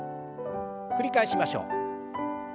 繰り返しましょう。